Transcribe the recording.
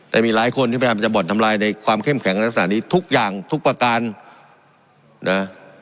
แต่มีหลายคนที่พยายามจะบ่อนทำลายในความเข้มแข็งในลักษณะนี้ทุกอย่างทุกประการนะ